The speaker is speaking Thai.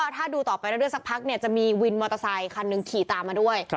ถ้าดูต่อไปเรื่อยสักพักจะมีวินมอเตอร์ไซคันหนึ่งขี่ตามมาด้วย